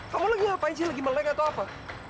kamu lagi ngapain sih lagi melek atau apa